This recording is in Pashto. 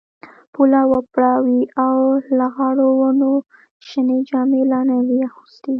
پوله وپړه وې او لغړو ونو شنې جامې لا نه وې اغوستي.